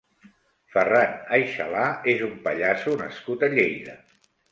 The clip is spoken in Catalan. Ferran Aixalà és un pallasso nascut a Lleida.